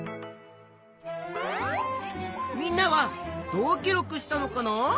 みんなはどう記録したのかな？